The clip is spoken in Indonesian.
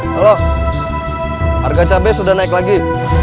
kalau harga cabai sudah naik lagi